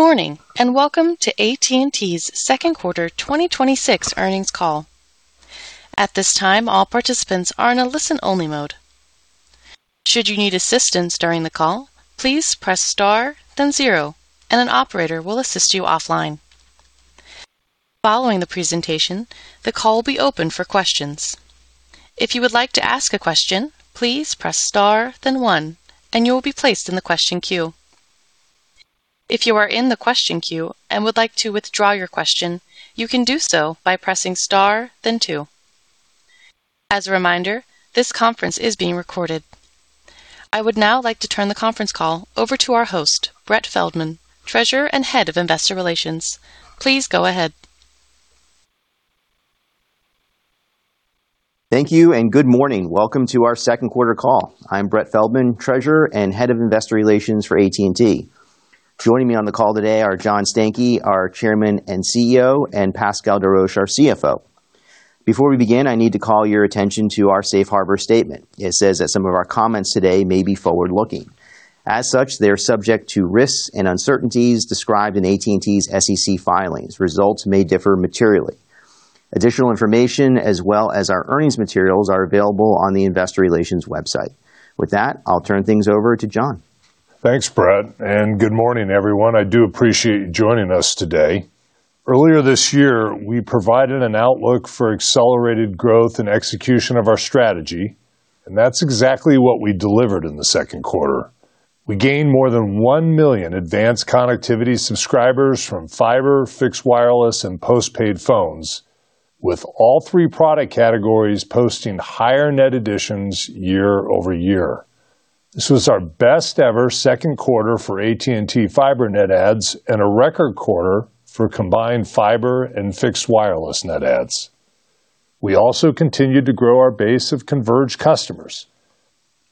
Good morning. Welcome to AT&T's second quarter 2026 earnings call. At this time, all participants are in a listen-only mode. Should you need assistance during the call, please press star then zero, and an operator will assist you offline. Following the presentation, the call will be open for questions. If you would like to ask a question, please press star then one, and you will be placed in the question queue. If you are in the question queue and would like to withdraw your question, you can do so by pressing star then two. As a reminder, this conference is being recorded. I would now like to turn the conference call over to our host, Brett Feldman, Treasurer and Head of Investor Relations. Please go ahead. Thank you. Good morning. Welcome to our second quarter call. I'm Brett Feldman, Treasurer and Head of Investor Relations for AT&T. Joining me on the call today are John Stankey, our Chairman and CEO, and Pascal Desroches, our CFO. Before we begin, I need to call your attention to our safe harbor statement. It says that some of our comments today may be forward-looking. As such, they're subject to risks and uncertainties described in AT&T's SEC filings. Results may differ materially. Additional information as well as our earnings materials are available on the Investor Relations website. With that, I'll turn things over to John. Thanks, Brett. Good morning, everyone. I do appreciate you joining us today. Earlier this year, we provided an outlook for accelerated growth and execution of our strategy. That's exactly what we delivered in the second quarter. We gained more than 1 million Advanced Connectivity subscribers from fiber, fixed wireless, and postpaid phones, with all three product categories posting higher net additions year-over-year. This was our best ever second quarter for AT&T Fiber net adds and a record quarter for combined fiber and fixed wireless net adds. We also continued to grow our base of converged customers.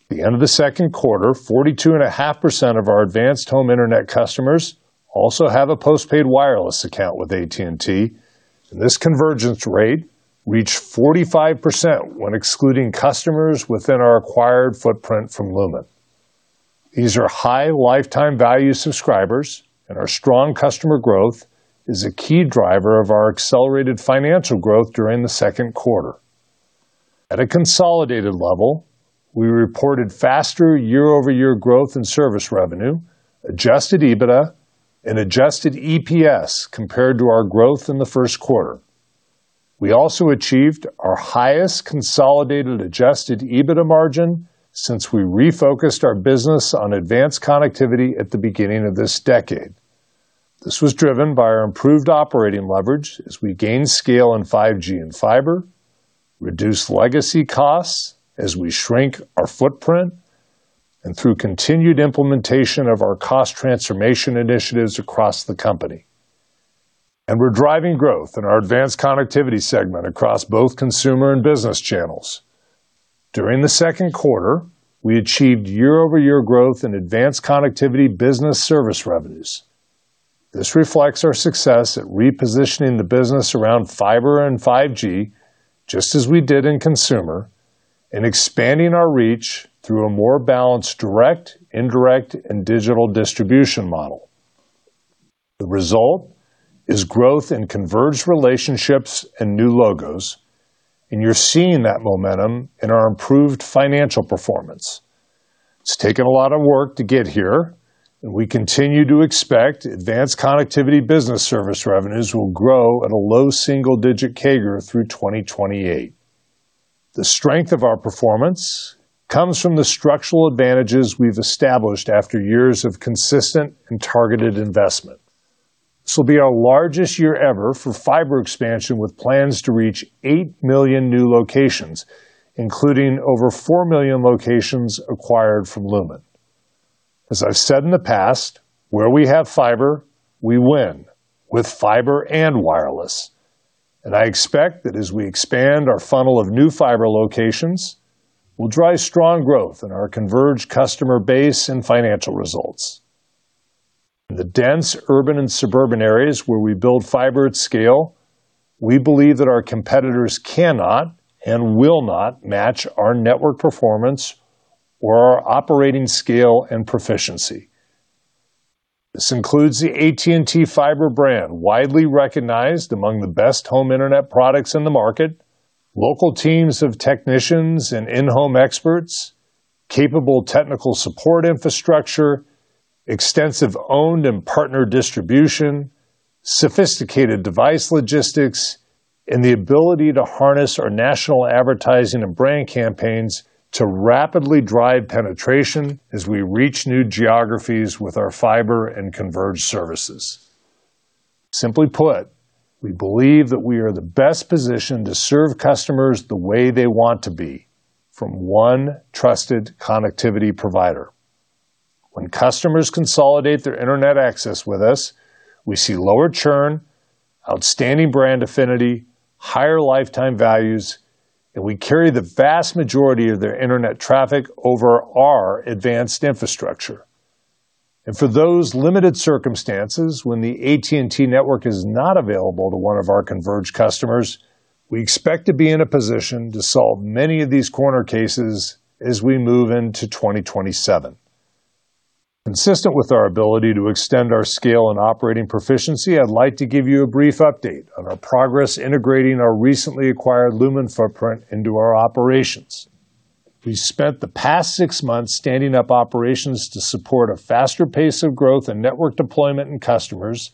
At the end of the second quarter, 42.5% of our advanced home internet customers also have a postpaid wireless account with AT&T. This convergence rate reached 45% when excluding customers within our acquired footprint from Lumen. These are high lifetime value subscribers. Our strong customer growth is a key driver of our accelerated financial growth during the second quarter. At a consolidated level, we reported faster year-over-year growth in service revenue, adjusted EBITDA, and adjusted EPS compared to our growth in the first quarter. We also achieved our highest consolidated adjusted EBITDA margin since we refocused our business on Advanced Connectivity at the beginning of this decade. This was driven by our improved operating leverage as we gain scale in 5G and fiber, reduce legacy costs as we shrink our footprint, and through continued implementation of our cost transformation initiatives across the company. We're driving growth in our Advanced Connectivity segment across both consumer and business channels. During the second quarter, we achieved year-over-year growth in Advanced Connectivity business service revenues. This reflects our success at repositioning the business around fiber and 5G, just as we did in consumer, and expanding our reach through a more balanced direct, indirect, and digital distribution model. The result is growth in converged relationships and new logos, you're seeing that momentum in our improved financial performance. It's taken a lot of work to get here, we continue to expect Advanced Connectivity business service revenues will grow at a low single-digit CAGR through 2028. The strength of our performance comes from the structural advantages we've established after years of consistent and targeted investment. This will be our largest year ever for fiber expansion, with plans to reach 8 million new locations, including over 4 million locations acquired from Lumen. As I've said in the past, where we have fiber, we win, with fiber and wireless, I expect that as we expand our funnel of new fiber locations, we'll drive strong growth in our converged customer base and financial results. In the dense urban and suburban areas where we build fiber at scale, we believe that our competitors cannot and will not match our network performance or our operating scale and proficiency. This includes the AT&T Fiber brand, widely recognized among the best home internet products in the market, local teams of technicians and in-home experts, capable technical support infrastructure, extensive owned and partner distribution, sophisticated device logistics, the ability to harness our national advertising and brand campaigns to rapidly drive penetration as we reach new geographies with our fiber and converged services. Simply put, we believe that we are the best positioned to serve customers the way they want to be, from one trusted connectivity provider. When customers consolidate their internet access with us, we see lower churn, outstanding brand affinity, higher lifetime values, we carry the vast majority of their internet traffic over our advanced infrastructure. For those limited circumstances, when the AT&T network is not available to one of our converged customers. We expect to be in a position to solve many of these corner cases as we move into 2027. Consistent with our ability to extend our scale and operating proficiency, I'd like to give you a brief update on our progress integrating our recently acquired Lumen footprint into our operations. We've spent the past six months standing up operations to support a faster pace of growth and network deployment in customers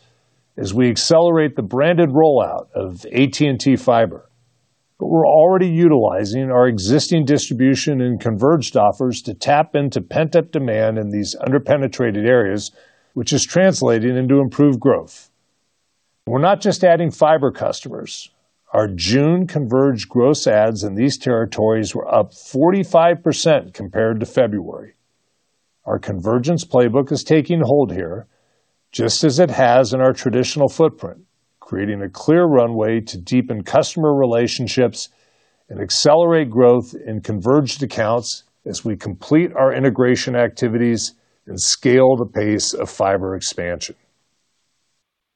as we accelerate the branded rollout of AT&T Fiber. We're already utilizing our existing distribution and converged offers to tap into pent-up demand in these under-penetrated areas, which is translating into improved growth. We're not just adding fiber customers. Our June converged gross adds in these territories were up 45% compared to February. Our convergence playbook is taking hold here, just as it has in our traditional footprint, creating a clear runway to deepen customer relationships and accelerate growth in converged accounts as we complete our integration activities and scale the pace of fiber expansion.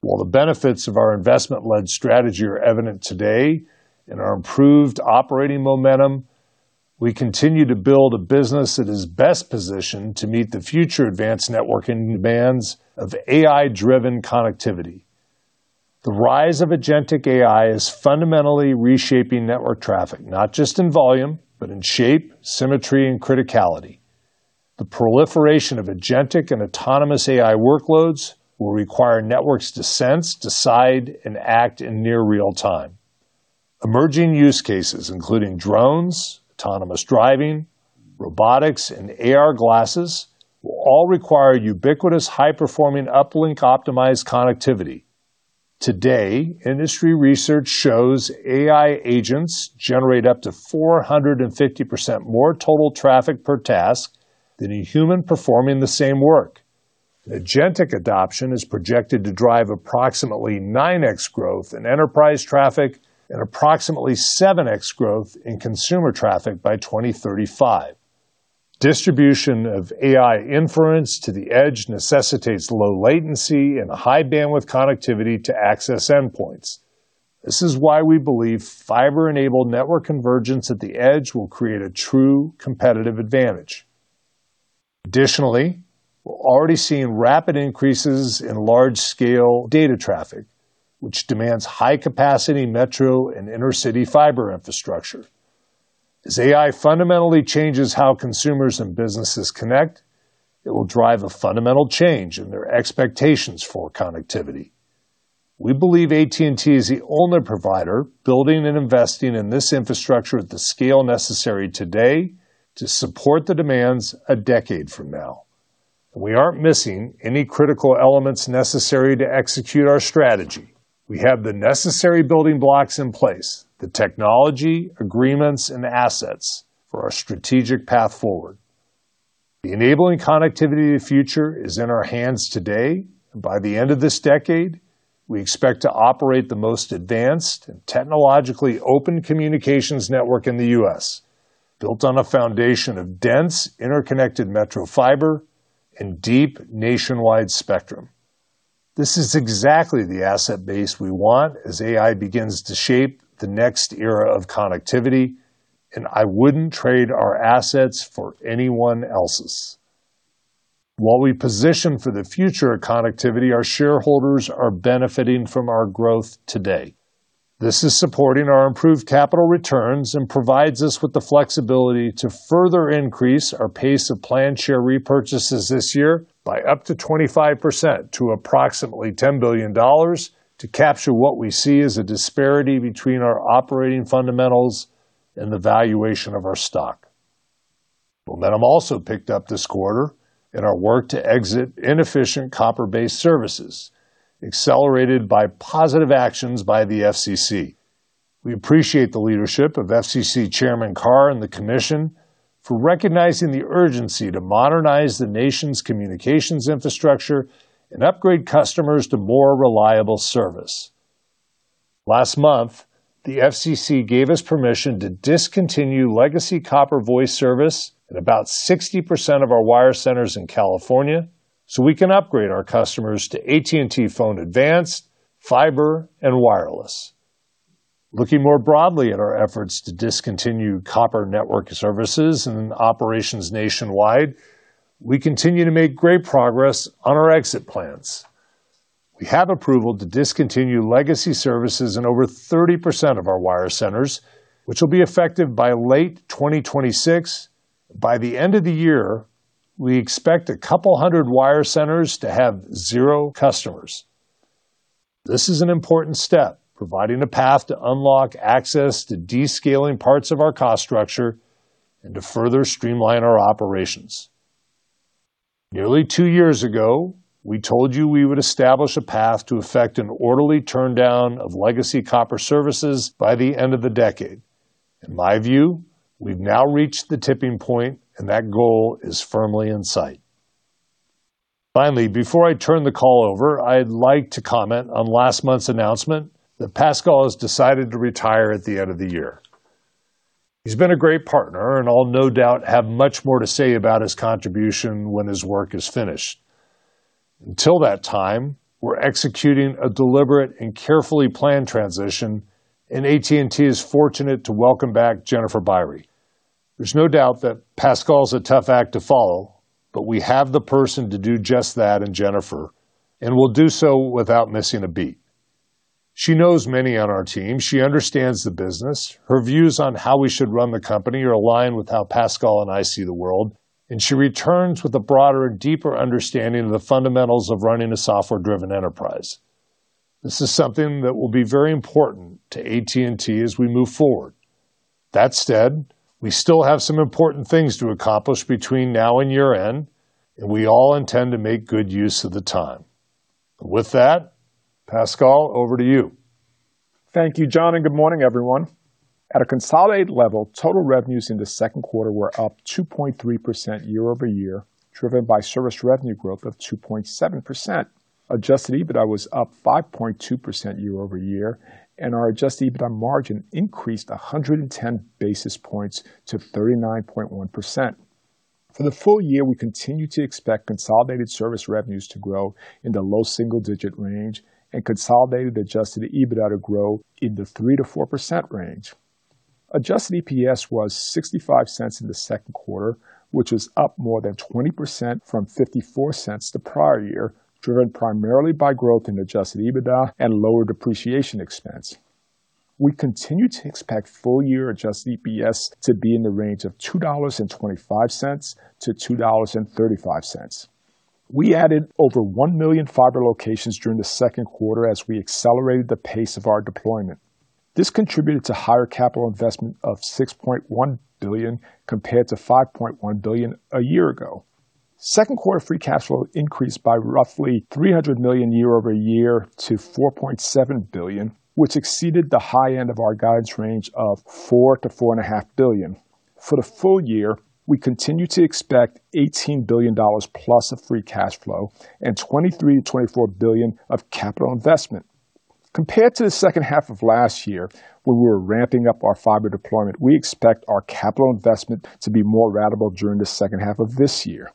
While the benefits of our investment-led strategy are evident today in our improved operating momentum, we continue to build a business that is best positioned to meet the future advanced networking demands of AI-driven connectivity. The rise of agentic AI is fundamentally reshaping network traffic, not just in volume, but in shape, symmetry, and criticality. The proliferation of agentic and autonomous AI workloads will require networks to sense, decide, and act in near real time. Emerging use cases, including drones, autonomous driving, robotics, and AR glasses, will all require ubiquitous, high-performing, uplink-optimized connectivity. Today, industry research shows AI agents generate up to 450% more total traffic per task than a human performing the same work. Agentic adoption is projected to drive approximately 9x growth in enterprise traffic and approximately 7x growth in consumer traffic by 2035. Distribution of AI inference to the edge necessitates low latency and a high bandwidth connectivity to access endpoints. This is why we believe fiber-enabled network convergence at the edge will create a true competitive advantage. Additionally, we're already seeing rapid increases in large-scale data traffic, which demands high-capacity metro and inner-city fiber infrastructure. As AI fundamentally changes how consumers and businesses connect, it will drive a fundamental change in their expectations for connectivity. We believe AT&T is the only provider building and investing in this infrastructure at the scale necessary today to support the demands a decade from now. We aren't missing any critical elements necessary to execute our strategy. We have the necessary building blocks in place, the technology, agreements, and assets for our strategic path forward. The enabling connectivity of the future is in our hands today. By the end of this decade, we expect to operate the most advanced and technologically open communications network in the U.S., built on a foundation of dense, interconnected metro fiber and deep nationwide spectrum. This is exactly the asset base we want as AI begins to shape the next era of connectivity, and I wouldn't trade our assets for anyone else's. While we position for the future of connectivity, our shareholders are benefiting from our growth today. This is supporting our improved capital returns and provides us with the flexibility to further increase our pace of planned share repurchases this year by up to 25% to approximately $10 billion to capture what we see as a disparity between our operating fundamentals and the valuation of our stock. Momentum also picked up this quarter in our work to exit inefficient copper-based services, accelerated by positive actions by the FCC. We appreciate the leadership of FCC Chairman Carr and the commission for recognizing the urgency to modernize the nation's communications infrastructure and upgrade customers to more reliable service. Last month, the FCC gave us permission to discontinue legacy copper voice service at about 60% of our wire centers in California, so we can upgrade our customers to AT&T Phone Advanced, fiber, and wireless. Looking more broadly at our efforts to discontinue copper network services and operations nationwide, we continue to make great progress on our exit plans. We have approval to discontinue legacy services in over 30% of our wire centers, which will be effective by late 2026. By the end of the year, we expect a couple hundred wire centers to have zero customers. This is an important step, providing a path to unlock access to descaling parts of our cost structure and to further streamline our operations. Nearly two years ago, we told you we would establish a path to effect an orderly turndown of legacy copper services by the end of the decade. In my view, we've now reached the tipping point, and that goal is firmly in sight. Finally, before I turn the call over, I'd like to comment on last month's announcement that Pascal has decided to retire at the end of the year. He's been a great partner, and I'll no doubt have much more to say about his contribution when his work is finished. Until that time, we're executing a deliberate and carefully planned transition, and AT&T is fortunate to welcome back Jennifer Biry. There's no doubt that Pascal's a tough act to follow, but we have the person to do just that in Jennifer, and we'll do so without missing a beat. She knows many on our team. She understands the business. Her views on how we should run the company are aligned with how Pascal and I see the world, she returns with a broader, deeper understanding of the fundamentals of running a software-driven enterprise. This is something that will be very important to AT&T as we move forward. That said, we still have some important things to accomplish between now and year-end, we all intend to make good use of the time. With that, Pascal, over to you. Thank you, John. Good morning, everyone. At a consolidated level, total revenues in the second quarter were up 2.3% year-over-year, driven by service revenue growth of 2.7%. Adjusted EBITDA was up 5.2% year-over-year, our adjusted EBITDA margin increased 110 basis points to 39.1%. For the full year, we continue to expect consolidated service revenues to grow in the low single-digit range and consolidated adjusted EBITDA to grow in the 3%-4% range. Adjusted EPS was $0.65 in the second quarter, which is up more than 20% from $0.54 the prior year, driven primarily by growth in adjusted EBITDA and lower depreciation expense. We continue to expect full-year adjusted EPS to be in the range of $2.25-$2.35. We added over 1 million fiber locations during the second quarter as we accelerated the pace of our deployment. This contributed to higher capital investment of $6.1 billion compared to $5.1 billion a year ago. Second quarter free cash flow increased by roughly $300 million year-over-year to $4.7 billion, which exceeded the high end of our guidance range of $4 billion-$4.5 billion. For the full year, we continue to expect $18 billion+ of free cash flow and $23 billion-$24 billion of capital investment. Compared to the second half of last year, when we were ramping up our fiber deployment, we expect our capital investment to be more ratable during the second half of this year.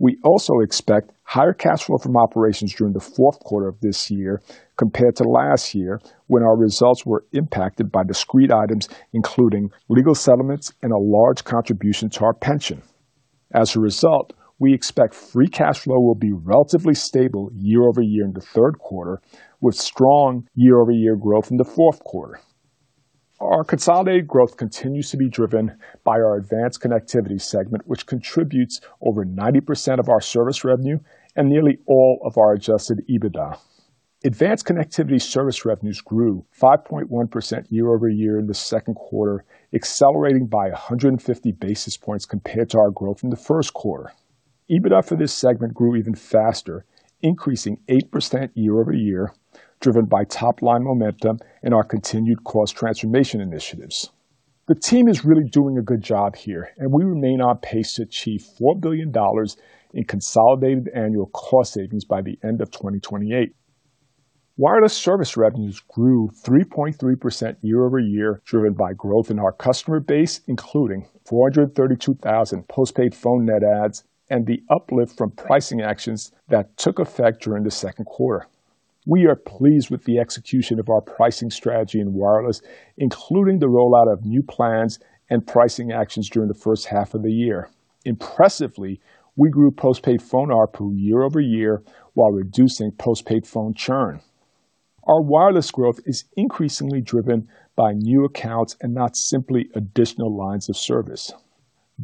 We also expect higher cash flow from operations during the fourth quarter of this year compared to last year, when our results were impacted by discrete items, including legal settlements and a large contribution to our pension. As a result, we expect free cash flow will be relatively stable year-over-year in the third quarter, with strong year-over-year growth in the fourth quarter. Our consolidated growth continues to be driven by our Advanced Connectivity segment, which contributes over 90% of our service revenue and nearly all of our adjusted EBITDA. Advanced Connectivity service revenues grew 5.1% year-over-year in the second quarter, accelerating by 150 basis points compared to our growth in the first quarter. EBITDA for this segment grew even faster, increasing 8% year-over-year, driven by top-line momentum and our continued cost transformation initiatives. The team is really doing a good job here. We remain on pace to achieve $4 billion in consolidated annual cost savings by the end of 2028. Wireless service revenues grew 3.3% year-over-year, driven by growth in our customer base, including 432,000 postpaid phone net adds, and the uplift from pricing actions that took effect during the second quarter. We are pleased with the execution of our pricing strategy in wireless, including the rollout of new plans and pricing actions during the first half of the year. Impressively, we grew postpaid phone ARPU year-over-year while reducing postpaid phone churn. Our wireless growth is increasingly driven by new accounts and not simply additional lines of service.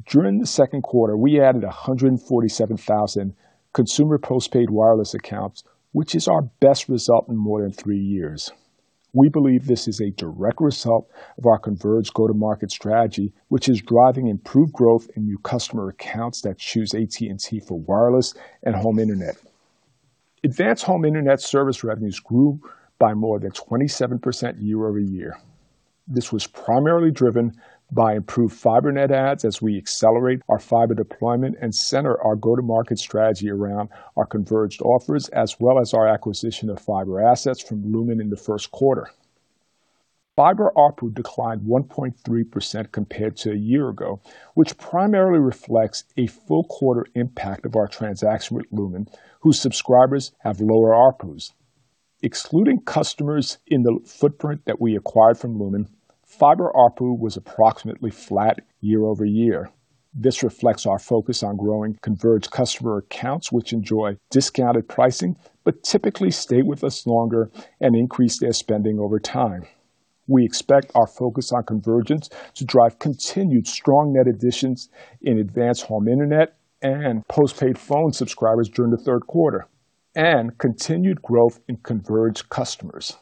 During the second quarter, we added 147,000 consumer postpaid wireless accounts, which is our best result in more than three years. We believe this is a direct result of our converged go-to-market strategy, which is driving improved growth in new customer accounts that choose AT&T for wireless and home internet. Advanced home internet service revenues grew by more than 27% year-over-year. This was primarily driven by improved fiber net adds as we accelerate our fiber deployment and center our go-to-market strategy around our converged offers, as well as our acquisition of fiber assets from Lumen in the first quarter. Fiber ARPU declined 1.3% compared to a year ago, which primarily reflects a full quarter impact of our transaction with Lumen, whose subscribers have lower ARPUs. Excluding customers in the footprint that we acquired from Lumen, Fiber ARPU was approximately flat year-over-year. This reflects our focus on growing converged customer accounts, which enjoy discounted pricing but typically stay with us longer and increase their spending over time. We expect our focus on convergence to drive continued strong net additions in advanced home internet and postpaid phone subscribers during the third quarter and continued growth in converged customers.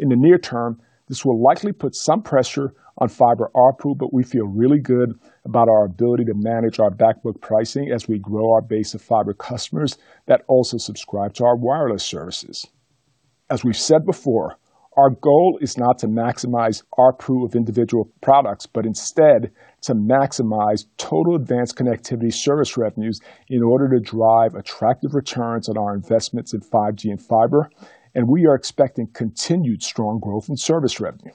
In the near term, this will likely put some pressure on Fiber ARPU, but we feel really good about our ability to manage our back book pricing as we grow our base of fiber customers that also subscribe to our wireless services. As we've said before, our goal is not to maximize ARPU of individual products, but instead to maximize total Advanced Connectivity service revenues in order to drive attractive returns on our investments in 5G and fiber. We are expecting continued strong growth in service revenue.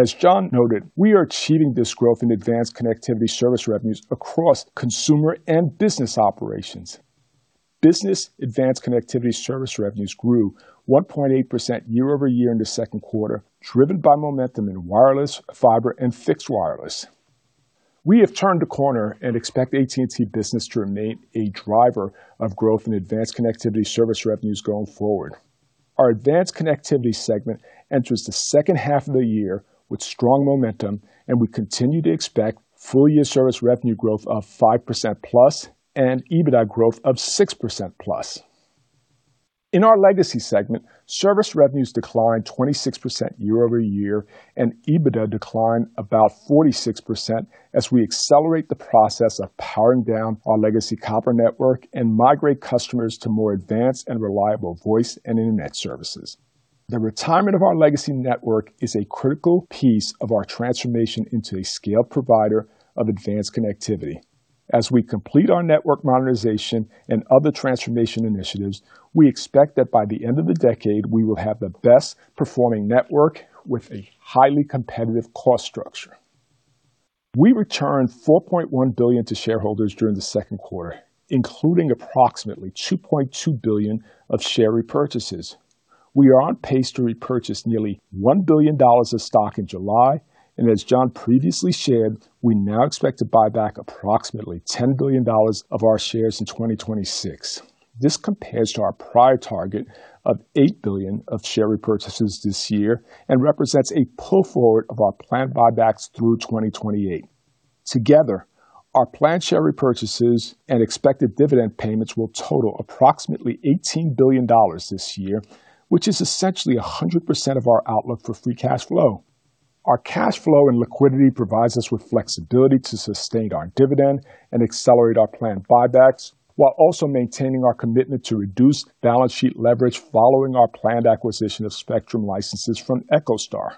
As John noted, we are achieving this growth in Advanced Connectivity service revenues across consumer and business operations. Business Advanced Connectivity service revenues grew 1.8% year-over-year in the second quarter, driven by momentum in wireless, fiber, and fixed wireless. We have turned a corner and expect AT&T Business to remain a driver of growth in Advanced Connectivity service revenues going forward. Our advanced connectivity segment enters the second half of the year with strong momentum, and we continue to expect full-year service revenue growth of 5%+ and EBITDA growth of 6%+. In our legacy segment, service revenues declined 26% year-over-year, and EBITDA declined about 46% as we accelerate the process of powering down our legacy copper network and migrate customers to more advanced and reliable voice and internet services. The retirement of our legacy network is a critical piece of our transformation into a scaled provider of advanced connectivity. As we complete our network modernization and other transformation initiatives, we expect that by the end of the decade, we will have the best-performing network with a highly competitive cost structure. We returned $4.1 billion to shareholders during the second quarter, including approximately $2.2 billion of share repurchases. We are on pace to repurchase nearly $1 billion of stock in July. As John previously shared, we now expect to buy back approximately $10 billion of our shares in 2026. This compares to our prior target of $8 billion of share repurchases this year and represents a pull forward of our planned buybacks through 2028. Together, our planned share repurchases and expected dividend payments will total approximately $18 billion this year, which is essentially 100% of our outlook for free cash flow. Our cash flow and liquidity provides us with flexibility to sustain our dividend and accelerate our planned buybacks while also maintaining our commitment to reduce balance sheet leverage following our planned acquisition of spectrum licenses from EchoStar.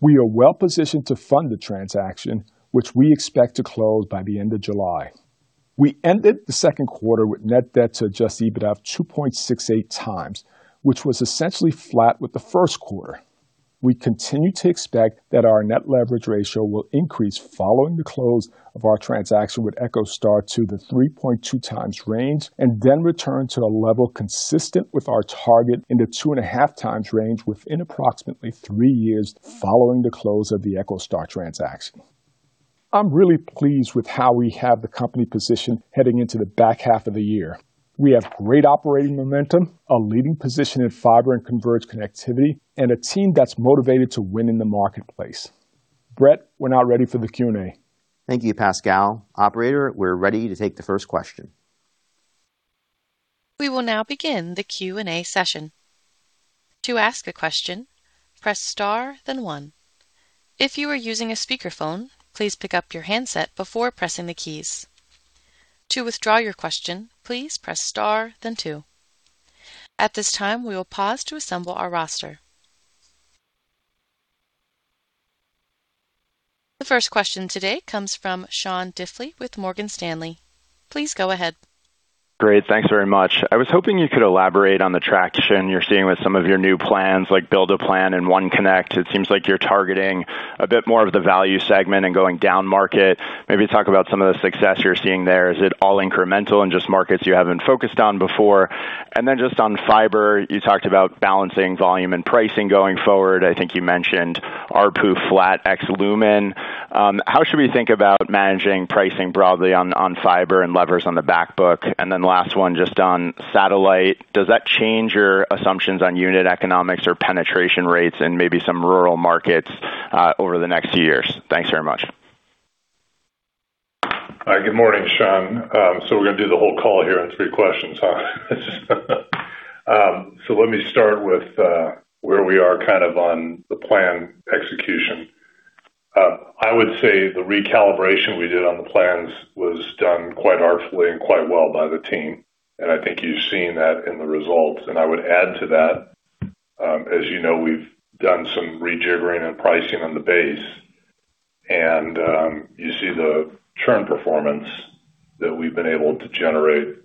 We are well-positioned to fund the transaction, which we expect to close by the end of July. We ended the second quarter with net debt to adjusted EBITDA of 2.68x, which was essentially flat with the first quarter. We continue to expect that our net leverage ratio will increase following the close of our transaction with EchoStar to the 3.2x range and then return to a level consistent with our target in the two and a half times range within approximately three years following the close of the EchoStar transaction. I'm really pleased with how we have the company positioned heading into the back half of the year. We have great operating momentum, a leading position in fiber and converged connectivity, and a team that's motivated to win in the marketplace. Brett, we're now ready for the Q&A. Thank you, Pascal. Operator, we're ready to take the first question. We will now begin the Q&A session. To ask a question, press star one. If you are using a speakerphone, please pick up your handset before pressing the keys. To withdraw your question, please press star two. At this time, we will pause to assemble our roster. The first question today comes from Sean Diffley with Morgan Stanley. Please go ahead. Great. Thanks very much. I was hoping you could elaborate on the traction you're seeing with some of your new plans, like Build-A-Plan and OneConnect. It seems like you're targeting a bit more of the value segment and going down market. Maybe talk about some of the success you're seeing there. Is it all incremental in just markets you haven't focused on before? Just on fiber, you talked about balancing volume and pricing going forward. I think you mentioned ARPU flat ex Lumen. How should we think about managing pricing broadly on fiber and levers on the back book? Last one, just on satellite. Does that change your assumptions on unit economics or penetration rates in maybe some rural markets over the next years? Thanks very much. Good morning, Sean. We're going to do the whole call here in three questions, huh? Let me start with where we are on the plan execution. I would say the recalibration we did on the plans was done quite artfully and quite well by the team, and I think you've seen that in the results. I would add to that, as you know, we've done some rejiggering and pricing on the base, and you see the churn performance that we've been able to generate.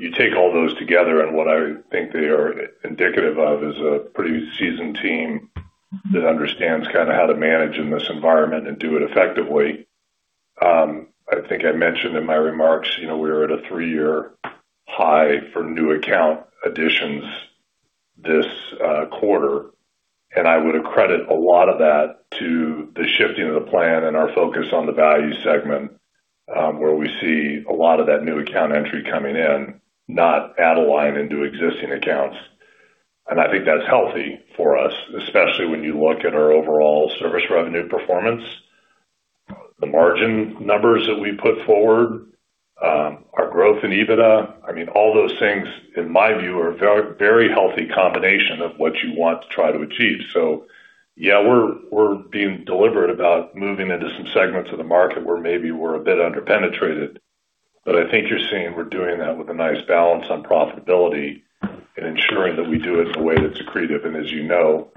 You take all those together, and what I think they are indicative of is a pretty seasoned team that understands how to manage in this environment and do it effectively. I think I mentioned in my remarks, we're at a three-year high for new account additions this quarter, I would accredit a lot of that to the shifting of the plan and our focus on the value segment, where we see a lot of that new account entry coming in, not add a line into existing accounts. I think that's healthy for us, especially when you look at our overall service revenue performance, the margin numbers that we put forward, our growth in EBITDA. All those things, in my view, are a very healthy combination of what you want to try to achieve. Yeah, we're being deliberate about moving into some segments of the market where maybe we're a bit under-penetrated, but I think you're seeing we're doing that with a nice balance on profitability and ensuring that we do it in a way that's accretive. As you know,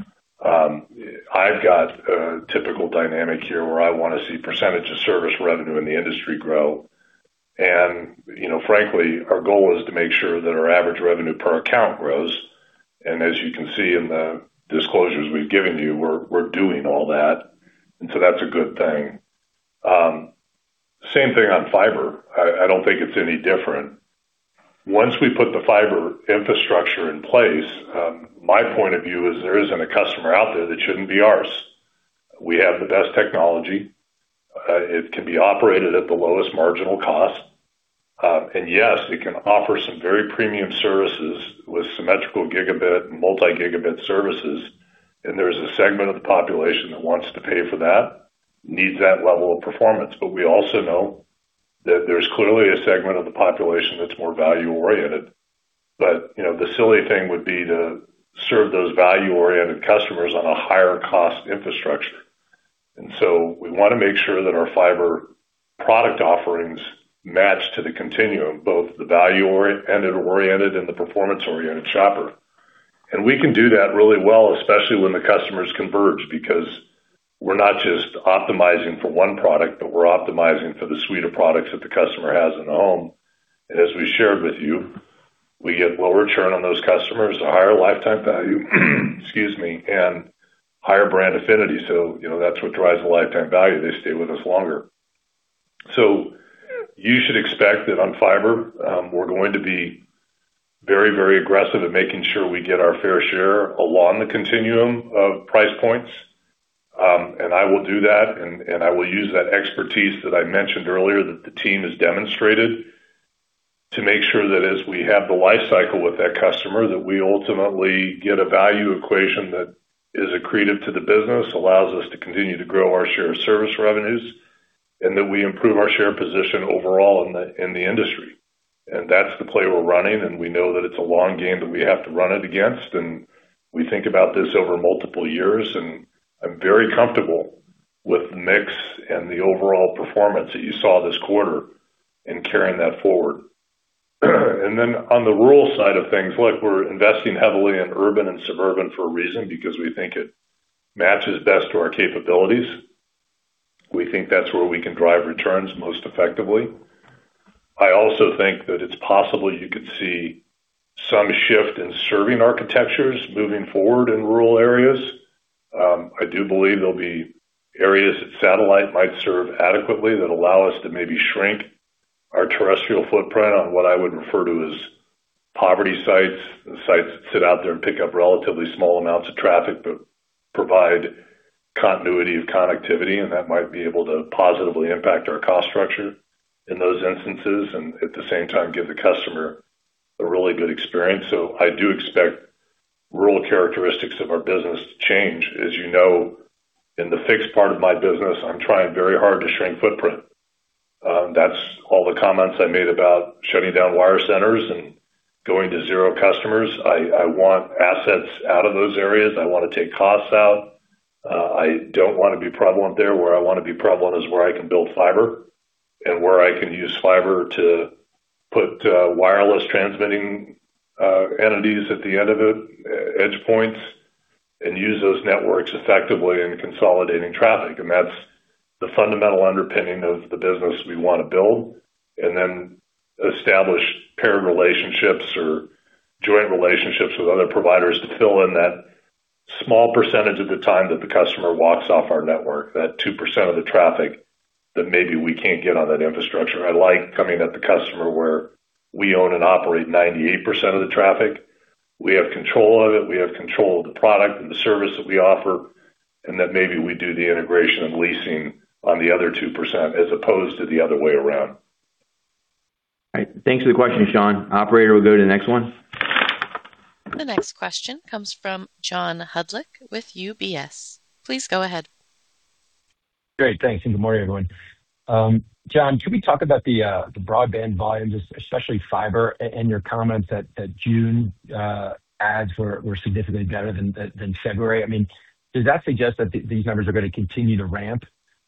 I've got a typical dynamic here where I want to see percentage of service revenue in the industry grow. Frankly, our goal is to make sure that our average revenue per account grows. As you can see in the disclosures we've given you, we're doing all that. So that's a good thing. Same thing on fiber. I don't think it's any different. Once we put the fiber infrastructure in place, my point of view is there isn't a customer out there that shouldn't be ours. We have the best technology. It can be operated at the lowest marginal cost. Yes, it can offer some very premium services with symmetrical gigabit and multi-gigabit services. There is a segment of the population that wants to pay for that, needs that level of performance. We also know that there's clearly a segment of the population that's more value-oriented. The silly thing would be to serve those value-oriented customers on a higher cost infrastructure. We want to make sure that our fiber product offerings match to the continuum, both the value-oriented and the performance-oriented shopper. We can do that really well, especially when the customers converge, because we're not just optimizing for one product, but we're optimizing for the suite of products that the customer has in the home. As we shared with you, we get lower churn on those customers, a higher lifetime value, and higher brand affinity. That's what drives the lifetime value. They stay with us longer. You should expect that on fiber, we're going to be very aggressive at making sure we get our fair share along the continuum of price points. I will do that, and I will use that expertise that I mentioned earlier that the team has demonstrated to make sure that as we have the life cycle with that customer, that we ultimately get a value equation that is accretive to the business, allows us to continue to grow our share of service revenues, and that we improve our share position overall in the industry. That's the play we're running, and we know that it's a long game that we have to run it against. We think about this over multiple years, and I'm very comfortable with the mix and the overall performance that you saw this quarter in carrying that forward. On the rural side of things, look, we're investing heavily in urban and suburban for a reason because we think it matches best to our capabilities. We think that's where we can drive returns most effectively. I also think that it's possible you could see some shift in serving architectures moving forward in rural areas. I do believe there'll be areas that satellite might serve adequately that allow us to maybe shrink our terrestrial footprint on what I would refer to as poverty sites and sites that sit out there and pick up relatively small amounts of traffic, but provide continuity of connectivity, and that might be able to positively impact our cost structure in those instances, and at the same time, give the customer a really good experience. I do expect rural characteristics of our business to change. As you know, in the fixed part of my business, I'm trying very hard to shrink footprint. That's all the comments I made about shutting down wire centers and going to zero customers. I want assets out of those areas. I want to take costs out. I don't want to be prevalent there. Where I want to be prevalent is where I can build fiber and where I can use fiber to put wireless transmitting entities at the end of it, edge points, and use those networks effectively in consolidating traffic. That's the fundamental underpinning of the business we want to build and then establish paired relationships or joint relationships with other providers to fill in that small percentage of the time that the customer walks off our network, that 2% of the traffic that maybe we can't get on that infrastructure. I like coming at the customer where we own and operate 98% of the traffic. We have control of it, we have control of the product and the service that we offer, and that maybe we do the integration of leasing on the other 2% as opposed to the other way around. All right. Thanks for the question, Sean. Operator, we'll go to the next one. The next question comes from John Hodulik with UBS. Please go ahead. Great. Thanks, good morning, everyone. John, could we talk about the broadband volumes, especially fiber, and your comments that June adds were significantly better than February? Does that suggest that these numbers are going to continue to ramp,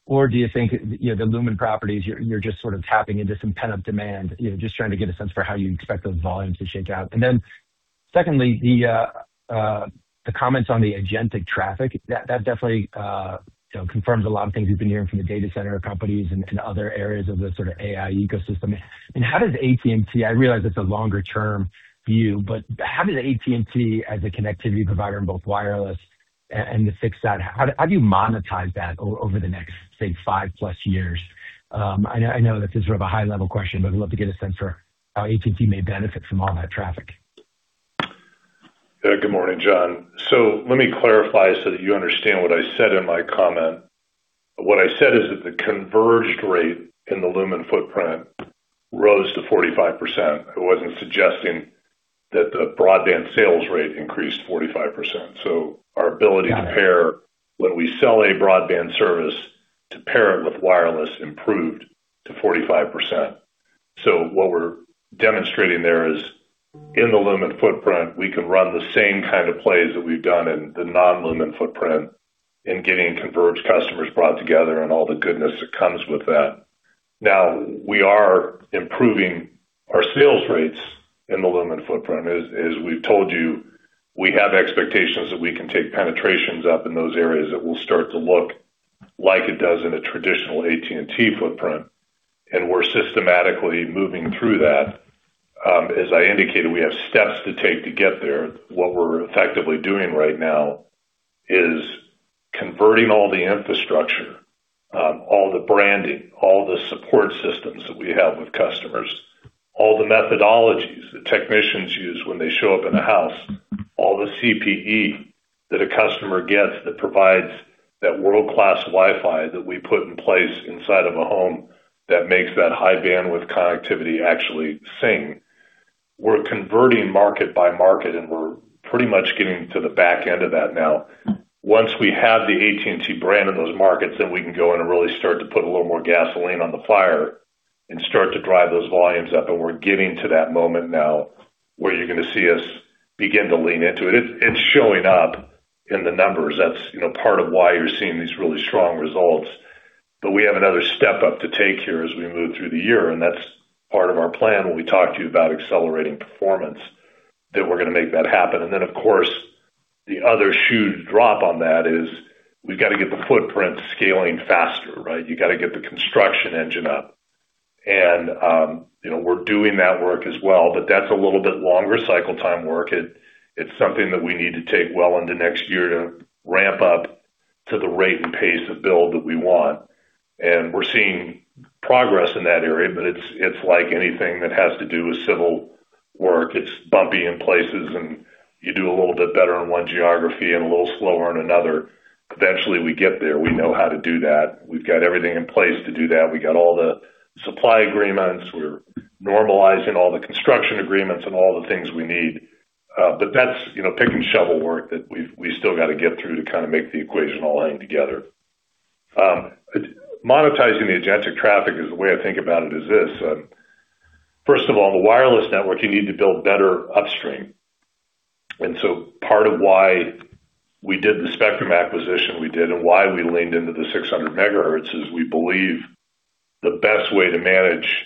or do you think, the Lumen properties, you're just sort of tapping into some pent-up demand? Just trying to get a sense for how you expect those volumes to shake out. Secondly, the comments on the agentic traffic, that definitely confirms a lot of things we've been hearing from the data center companies and other areas of the sort of AI ecosystem. I mean, how does AT&T, I realize it's a longer-term view, but how does AT&T, as a connectivity provider in both wireless and the fixed side, how do you monetize that over the next, say, 5+ years? I know that's sort of a high-level question, I'd love to get a sense for how AT&T may benefit from all that traffic. Yeah. Good morning, John. Let me clarify so that you understand what I said in my comment. What I said is that the converged rate in the Lumen footprint rose to 45%. I wasn't suggesting that the broadband sales rate increased 45%. Our ability to pair when we sell a broadband service to pair it with wireless improved to 45%. What we're demonstrating there is in the Lumen footprint, we can run the same kind of plays that we've done in the non-Lumen footprint in getting converged customers brought together and all the goodness that comes with that. We are improving our sales rates in the Lumen footprint, as we've told you. We have expectations that we can take penetrations up in those areas that will start to look like it does in a traditional AT&T footprint, and we're systematically moving through that. As I indicated, we have steps to take to get there. What we're effectively doing right now is converting all the infrastructure, all the branding, all the support systems that we have with customers, all the methodologies the technicians use when they show up in a house, all the CPE that a customer gets that provides that world-class Wi-Fi that we put in place inside of a home that makes that high bandwidth connectivity actually sing. We're converting market by market, and we're pretty much getting to the back end of that now. Once we have the AT&T brand in those markets, then we can go in and really start to put a little more gasoline on the fire and start to drive those volumes up. We're getting to that moment now where you're going to see us begin to lean into it. It's showing up in the numbers. That's part of why you're seeing these really strong results. We have another step up to take here as we move through the year, and that's part of our plan when we talk to you about accelerating performance, that we're going to make that happen. Of course, the other shoe to drop on that is we've got to get the footprint scaling faster, right? You got to get the construction engine up. We're doing that work as well. That's a little bit longer cycle time work. It's something that we need to take well into next year to ramp up to the rate and pace of build that we want. We're seeing progress in that area. It's like anything that has to do with civil work. It's bumpy in places, and you do a little bit better in one geography and a little slower in another. Eventually, we get there. We know how to do that. We've got everything in place to do that. We got all the supply agreements. We're normalizing all the construction agreements and all the things we need. That's pick and shovel work that we still got to get through to make the equation all hang together. Monetizing the agentic traffic, the way I think about it is this. First of all, in the wireless network, you need to build better upstream. Part of why we did the spectrum acquisition we did and why we leaned into the 600 MHz is we believe the best way to manage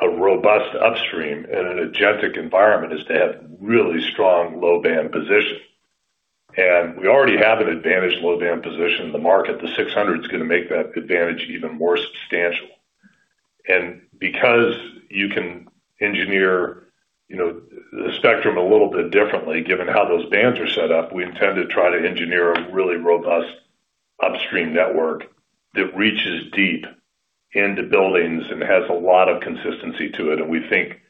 a robust upstream in an agentic environment is to have really strong low-band position. We already have an advantage low-band position in the market. The 600 MHz is going to make that advantage even more substantial. Because you can engineer the spectrum a little bit differently, given how those bands are set up, we intend to try to engineer a really robust upstream network that reaches deep into buildings and has a lot of consistency to it, and we think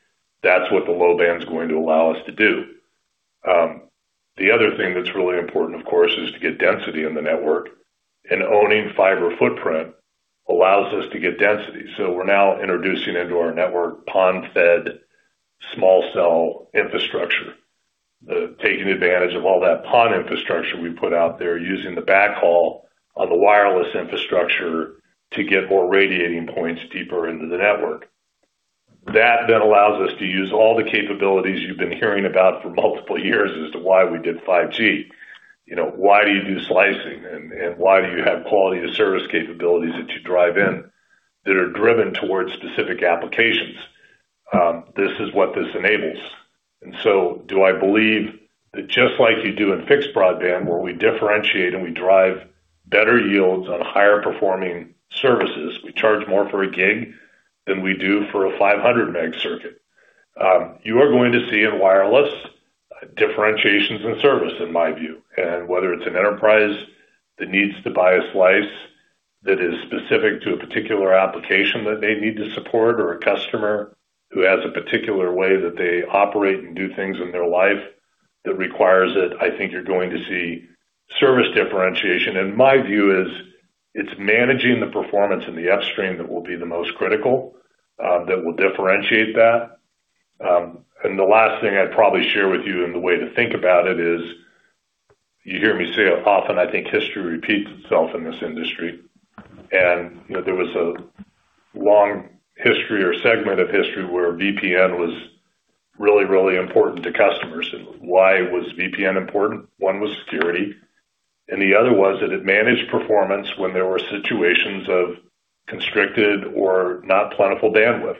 that's what the low band is going to allow us to do. The other thing that's really important, of course, is to get density in the network. Owning fiber footprint allows us to get density. We're now introducing into our network PON-fed small cell infrastructure, taking advantage of all that PON infrastructure we put out there using the backhaul on the wireless infrastructure to get more radiating points deeper into the network. That then allows us to use all the capabilities you've been hearing about for multiple years as to why we did 5G. Why do you do slicing, and why do you have quality of service capabilities that you drive in that are driven towards specific applications? This is what this enables. Do I believe that just like you do in fixed broadband, where we differentiate and we drive better yields on higher performing services, we charge more for a gig than we do for a 500-meg circuit. You are going to see in wireless differentiations in service, in my view. Whether it's an enterprise that needs to buy a slice that is specific to a particular application that they need to support or a customer who has a particular way that they operate and do things in their life that requires it, I think you're going to see service differentiation. My view is it's managing the performance in the upstream that will be the most critical, that will differentiate that. The last thing I'd probably share with you and the way to think about it is, you hear me say it often, I think history repeats itself in this industry. There was a long history or segment of history where VPN was really, really important to customers. Why was VPN important? One was security, and the other was that it managed performance when there were situations of constricted or not plentiful bandwidth.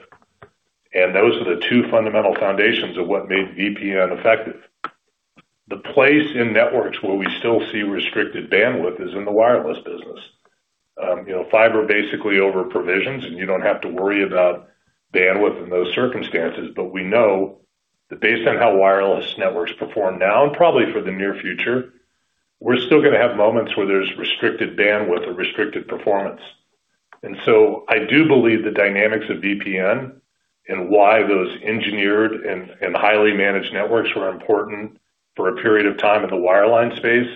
Those are the two fundamental foundations of what made VPN effective. The place in networks where we still see restricted bandwidth is in the wireless business. Fiber basically over-provisions, and you don't have to worry about bandwidth in those circumstances. We know that based on how wireless networks perform now, and probably for the near future, we're still going to have moments where there's restricted bandwidth or restricted performance. I do believe the dynamics of VPN and why those engineered and highly managed networks were important for a period of time in the wireline space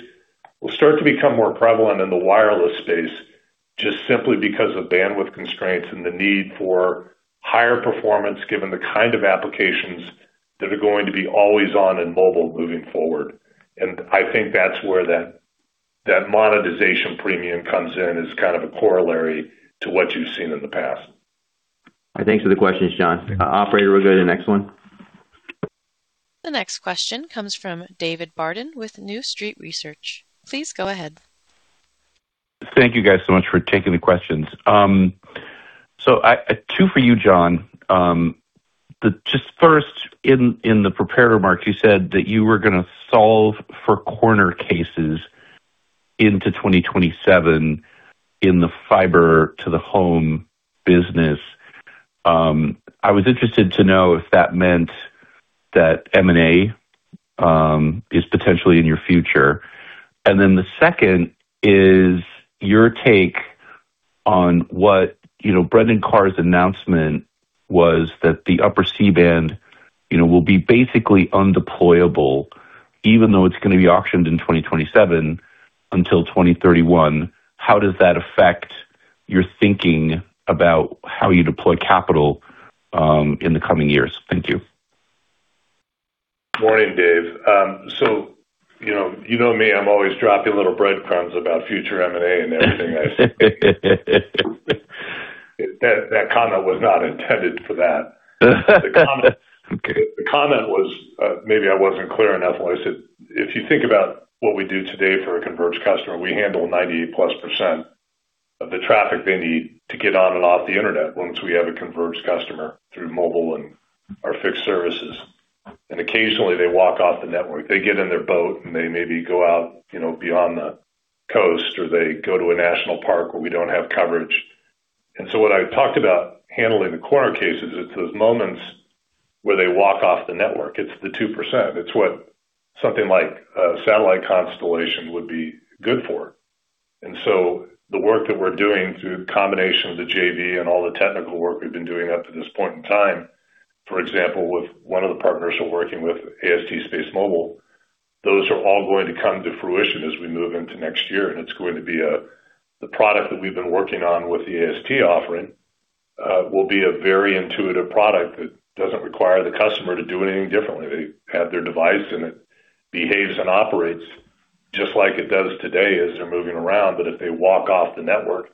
will start to become more prevalent in the wireless space, just simply because of bandwidth constraints and the need for higher performance given the kind of applications that are going to be always on and mobile moving forward. I think that's where that monetization premium comes in as kind of a corollary to what you've seen in the past. Thanks for the questions, John. Operator, we'll go to the next one. The next question comes from David Barden with New Street Research. Please go ahead. Thank you guys so much for taking the questions. Two for you, John. Just first, in the prepared remarks, you said that you were going to solve for corner cases into 2027 in the fiber to the home business. I was interested to know if that meant that M&A is potentially in your future. The second is your take on what Brendan Carr's announcement was that the upper C-band will be basically undeployable even though it's going to be auctioned in 2027 until 2031. How does that affect your thinking about how you deploy capital in the coming years? Thank you. Morning, Dave. You know me, I'm always dropping little breadcrumbs about future M&A and everything I say. That comment was not intended for that. Okay. The comment was, maybe I wasn't clear enough when I said, if you think about what we do today for a converged customer, we handle 98%+ of the traffic they need to get on and off the internet once we have a converged customer through mobile and our fixed services. Occasionally they walk off the network. They get in their boat and they maybe go out beyond the coast, or they go to a national park where we don't have coverage. What I talked about handling the corner cases, it's those moments where they walk off the network. It's the 2%. It's what something like a satellite constellation would be good for. The work that we're doing through the combination of the JV and all the technical work we've been doing up to this point in time, for example, with one of the partners we're working with, AST SpaceMobile, those are all going to come to fruition as we move into next year, and it's going to be the product that we've been working on with the AST offering will be a very intuitive product that doesn't require the customer to do anything differently. They have their device and it behaves and operates just like it does today as they're moving around. If they walk off the network,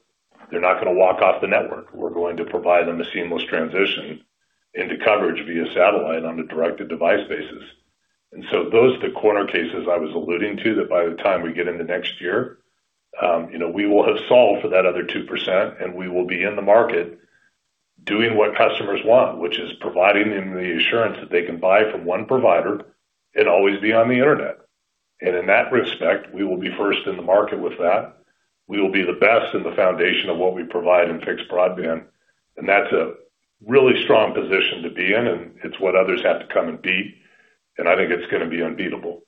they're not going to walk off the network. We're going to provide them a seamless transition into coverage via satellite on a directed device basis. Those are the corner cases I was alluding to, that by the time we get into next year we will have solved for that other 2% and we will be in the market doing what customers want, which is providing them the assurance that they can buy from one provider and always be on the internet. In that respect, we will be first in the market with that. We will be the best in the foundation of what we provide in fixed broadband, and that's a really strong position to be in, and it's what others have to come and beat, and I think it's going to be unbeatable.